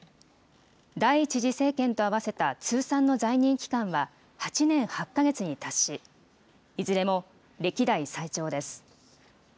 第１次政権と合わせた通算の在任期間は８年８か月に達し、いずれも歴代最長です。